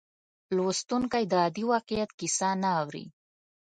لوستونکی د عادي واقعیت کیسه نه اوري.